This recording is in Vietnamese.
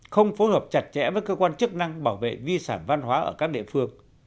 không phối hợp chặt chẽ với cơ quan chức năng bảo vệ di sản văn hóa ở các địa phương